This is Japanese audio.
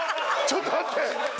ちょっと待って！